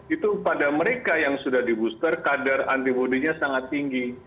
itu pada mereka yang sudah di booster kadar antibody nya sangat tinggi